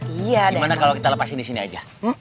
gimana kalau kita lepasin disini aja